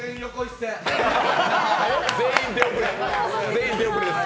全員出遅れです。